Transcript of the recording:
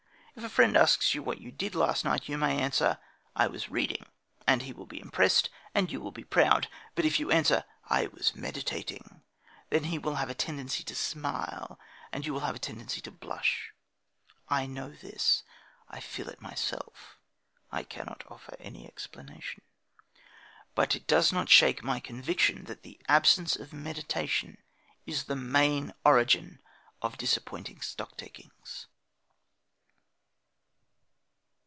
If a friend asks you what you did last night, you may answer, "I was reading," and he will be impressed and you will be proud. But if you answer, "I was meditating," he will have a tendency to smile and you will have a tendency to blush. I know this. I feel it myself. (I cannot offer any explanation.) But it does not shake my conviction that the absence of meditation is the main origin of disappointing stocktakings.